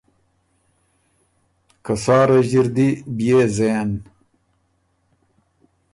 که سا رݫي ر دی بيې زېن